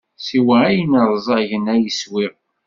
Siwa ayen ṛẓagen ay swiɣ.